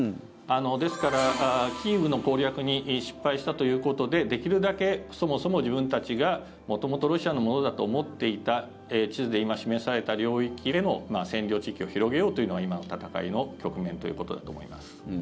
ですから、キーウの攻略に失敗したということでできるだけ、そもそも自分たちが元々ロシアのものだと思っていた地図で今、示された領域での占領地域を広げようというのが今の戦いの局面ということだと思います。